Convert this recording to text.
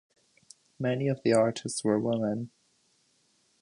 Many of the artists were women.